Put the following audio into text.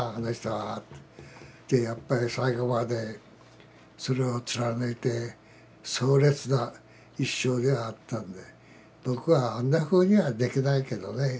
やっぱり最後までそれを貫いて壮烈な一生ではあったので僕はあんなふうにはできないけどね。